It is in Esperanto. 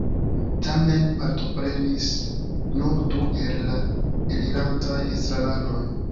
Tamen partoprenis nur du el la elirantaj estraranoj.